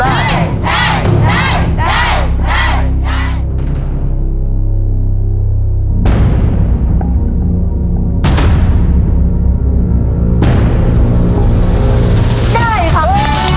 ได้ค่ะ